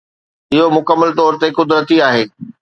اهو مڪمل طور تي قدرتي آهي.